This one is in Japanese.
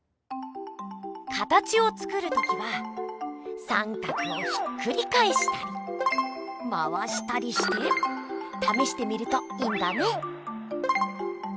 かたちをつくるときは三角をひっくりかえしたり回したりしてためしてみるといいんだね。